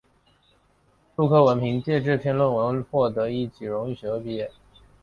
陆克文凭藉这篇论文获得一级荣誉学位毕业。